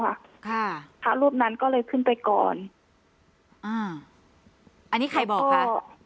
ค่ะพระรูปนั้นก็เลยขึ้นไปก่อนอ่าอันนี้ใครบอกคะ